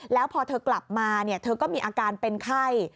แล้วพอเธอกลับมาเธอก็มีอาการเป็นไข้